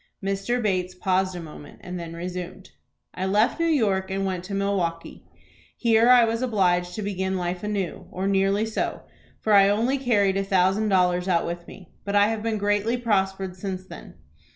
Mr. Bates paused a moment and then resumed: "I left New York, and went to Milwaukie. Here I was obliged to begin life anew, or nearly so, for I only carried a thousand dollars out with me. But I have been greatly prospered since then.